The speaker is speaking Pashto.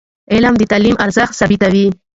علم د تعلیم ارزښت ثابتوي.